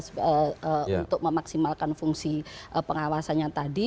untuk memaksimalkan fungsi pengawasannya tadi